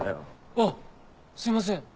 あっすいません。